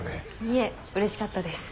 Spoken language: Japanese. いえうれしかったです。